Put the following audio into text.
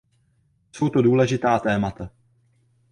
Jsou to důležitá témata.